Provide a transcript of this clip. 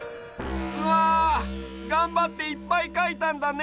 うわがんばっていっぱいかいたんだね。